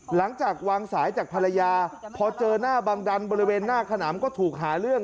หลังจากวางสายจากภรรยาพอเจอหน้าบังดันบริเวณหน้าขนำก็ถูกหาเรื่อง